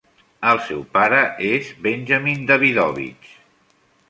El seu pare és Benjamin Davidovich.